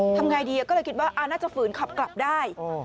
ทำอย่างไรดีตอนนี้ก็เลยคิดว่าน่าจะฝืนขับกลับได้